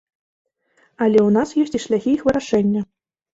Але ў нас ёсць і шляхі іх вырашэння.